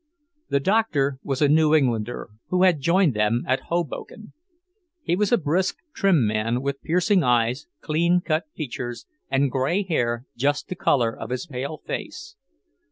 The doctor was a New Englander who had joined them at Hoboken. He was a brisk, trim man, with piercing eyes, clean cut features, and grey hair just the colour of his pale face.